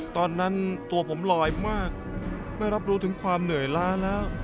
ตอนนั้นตัวผมลอยมากไม่รับรู้ถึงความเหนื่อยล้าแล้ว